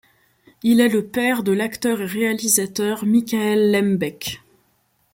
Il est le père de l'acteur et réalisateur Michael Lembeck.